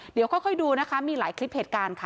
เดี๋ยวค่อยดูนะคะมีหลายคลิปเหตุการณ์ค่ะ